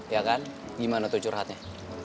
ya kan gimana tuh curhatnya